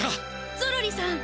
ゾロリさん！